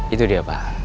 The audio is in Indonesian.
itu dia pak